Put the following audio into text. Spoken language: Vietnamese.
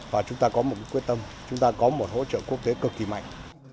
và chúng ta có một quyết tâm chúng ta có một hỗ trợ quốc tế cực kỳ mạnh